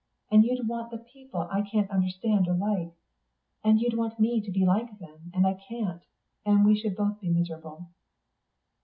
And you'd want the people I can't understand or like. And you'd want me to like them, and I couldn't. And we should both be miserable."